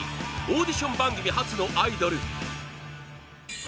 オーディション番組発のアイドル！